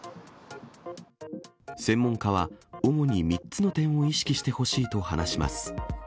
専門家は、主に３つの点を意識してほしいと話します。